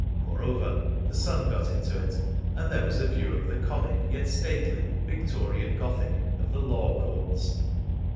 Moreover, the sun got into it, and there was a view of the comic yet stately Victorian Gothic of the Law Courts.